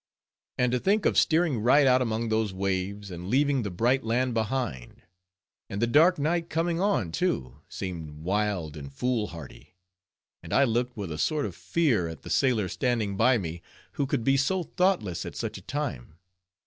And to think of steering right out among those waves, and leaving the bright land behind, and the dark night coming on, too, seemed wild and foolhardy; and I looked with a sort of fear at the sailors standing by me, who could be so thoughtless at such a time.